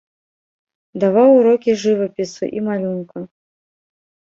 Даваў урокі жывапісу і малюнка.